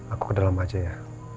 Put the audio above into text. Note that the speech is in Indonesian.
aku kedalam aja ya